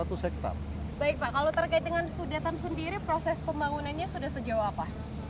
baik pak kalau terkait dengan sudetan sendiri proses pembangunannya sudah sejauh apa